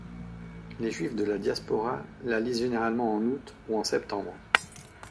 Les Juifs de la Diaspora la lisent généralement en août ou en septembre.